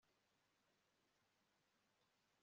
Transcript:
biragaragara ko aribyo